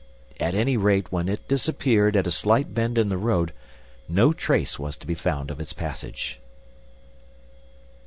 At any rate when it disappeared at a slight bend in the road no trace was to be found of its passage.